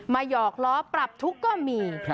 หยอกล้อปรับทุกข์ก็มี